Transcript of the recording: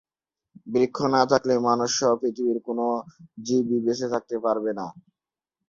বৃক্ষ না থাকলে মানুষসহ পৃথিবীর কোনো জীবই বেঁচে থাকতে পারবে না।